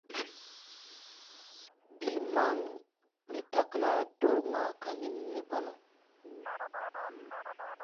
Bii man le tagla dɔɔ maa kanin ne pa ni.